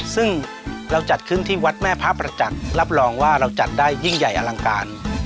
ซึ่งเราจัดขึ้นที่วัดแม่พระประจักษ์รับรองว่าเราจัดได้ยิ่งใหญ่อลังการ